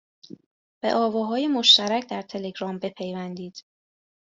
به آواهای مشترک در تلگرام بپیوندید